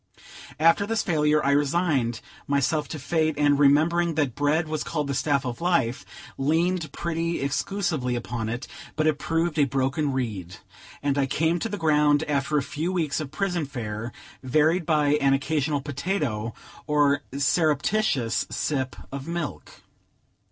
After this failure I resigned myself to fate, and, remembering that bread was called the staff of life, leaned pretty exclusively upon it; but it proved a broken reed, and I came to the ground after a few weeks of prison fare, varied by an occasional potato or surreptitious sip of milk.